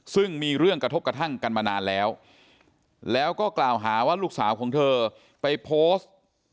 ซึ่งมีเรื่องกระทบกระทั่งกันมานานแล้วแล้วก็กล่าวหาว่าลูกสาวของเธอไปโพสต์